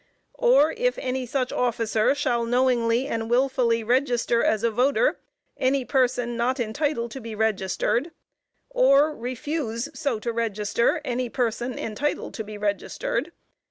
or if any such officer shall knowingly and wilfully register as a voter any person not entitled to be registered, or refuse so to register any person entitled to be registered